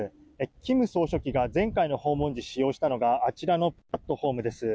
金総書記が前回の訪問時使用したのがあちらのプラットホームです。